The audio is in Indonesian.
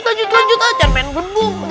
lanjut lanjut lanjut